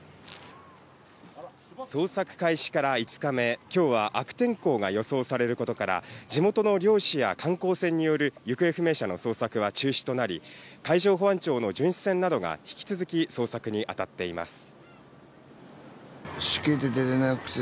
捜索開始から５日目、今日は悪天候が予想されることから、地元の漁師や観光船による行方不明者の捜索は中止となり、海上保安庁の巡視船などが引き続き捜索にあたっています。